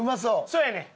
そうやねん。